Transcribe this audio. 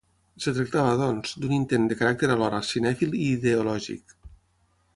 Es tractava, doncs, d'un intent de caràcter alhora cinèfil i ideològic.